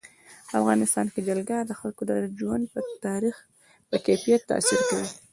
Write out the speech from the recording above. په افغانستان کې جلګه د خلکو د ژوند په کیفیت تاثیر کوي.